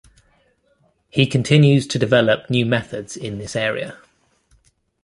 He continues to develop new methods in this area.